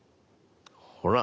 ほら！